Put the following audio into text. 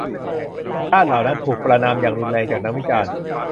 ด้านเหล่านั้นถูกประณามอย่างรุนแรงจากนักวิจารณ์